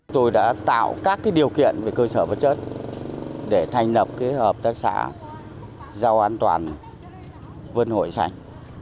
tôi đã tạo các điều kiện về cơ sở vật chất để thành lập hợp tác xã giao an toàn vân hội sạch